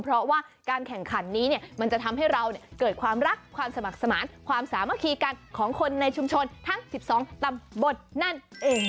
เพราะว่าการแข่งขันนี้มันจะทำให้เราเกิดความรักความสมัครสมานความสามัคคีกันของคนในชุมชนทั้ง๑๒ตำบลนั่นเอง